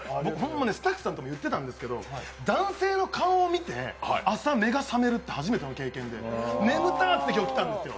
スタッフさんとも言ってたんですけど男性の顔を見て朝、目が覚めるって初めての経験で眠たくて、今日来たんですよ。